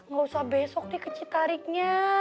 gak usah besok deh kecit tariknya